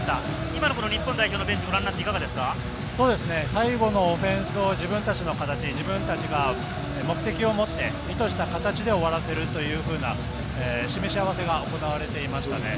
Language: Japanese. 今の日本代表のベンチご覧になっ最後のフェンスを自分たちの形、自分たちが目的を持って意図した形で終わらせるというふうな示し合わせが行われていましたね。